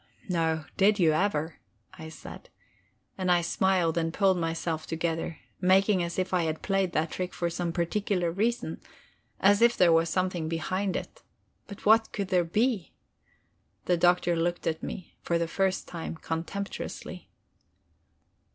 "No, did you ever?" I said. And I smiled and pulled myself together, making as if I had played that trick for some particular reason as if there were something behind it. But what could there be? The Doctor looked at me, for the first time, contemptuously.